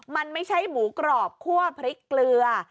มันไม่ใช่หมูกรอบคั่วพริกเกลือ